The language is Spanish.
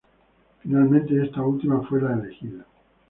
Finalmente, esta última fue la elegida.